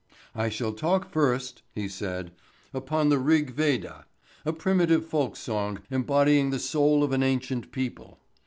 "I shall talk first," he said, "upon 'The Rig Veda—A Primitive Folk Song Embodying the Soul of an Ancient People.